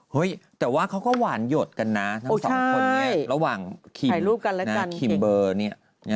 เฮ้ยแต่ว่าเขาก็หวานหยดกันน่ะสองคนนี้ระหว่างครีมเบอร์เนี่ย